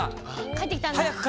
帰ってきたんだ。